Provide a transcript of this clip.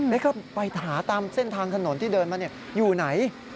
แล้วก็ไปหาตามเส้นทางถนนที่เดินมาอยู่ไหน